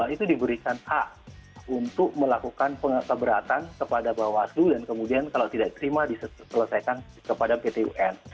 itu diberikan hak untuk melakukan pengecebratan kepada bawah itu dan kemudian kalau tidak terima diselesaikan kepada pt un